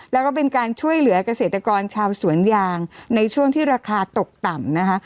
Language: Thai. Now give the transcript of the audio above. แล้วก็เป็นการช่วยเหลือกเกษตรกรชาวสวนยางในช่วงที่ราคาตกต่ำนะคะ